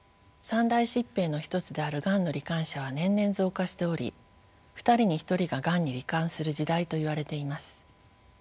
三大疾病の一つであるがんの罹患者は年々増加しており２人に１人ががんに罹患する時代といわれています。